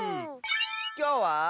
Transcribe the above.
きょうは。